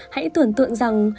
hãy tưởng tượng rằng